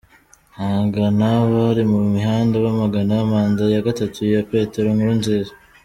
Amagana bari mu mihanda bamagana manda ya gatatu ya Petero Nkurunziza